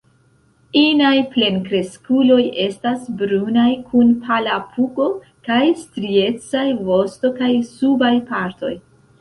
Inaj plenkreskuloj estas brunaj kun pala pugo, kaj striecaj vosto kaj subaj partoj.